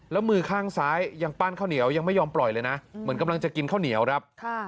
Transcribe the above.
แล้วมือข้างซ้ายยังปั้นข้าวเหนียวยังไม่ยอมปล่อยเลยนะเหมือนกำลังจะกินข้าวเหนียวครับ